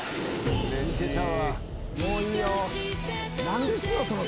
何ですの？